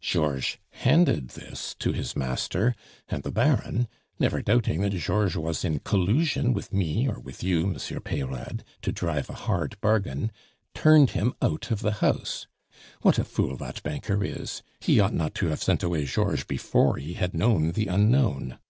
Georges handed this to his master; and the Baron, never doubting that Georges was in collusion with me or with you, Monsieur Peyrade, to drive a hard bargain, turned him out of the house. What a fool that banker is! He ought not to have sent away Georges before he had known the unknown!"